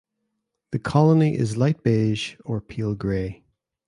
The colony is light beige or pale grey.